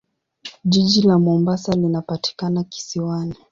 Jiji la Mombasa linapatikana kisiwani.